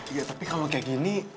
iya tapi kalau kayak gini